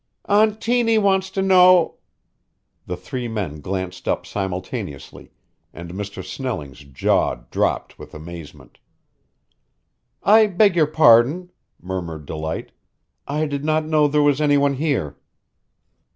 "Aunt Tiny wants to know " The three men glanced up simultaneously, and Mr. Snelling's jaw dropped with amazement. "I beg your pardon," murmured Delight. "I did not know there was any one here."